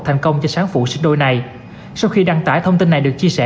thành công cho sáng phụ sinh đôi này sau khi đăng tải thông tin này được chia sẻ